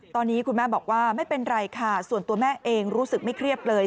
ตอนนี้คุณแม่บอกว่าไม่เป็นไรค่ะส่วนตัวแม่เองรู้สึกไม่เครียดเลย